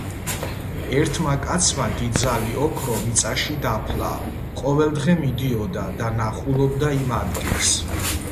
ერთმა კაცმა დიდძალი ოქრო მიწაში დაფლა. ყოველდღე მიდიოდა და ნახულობდა იმ ადგილს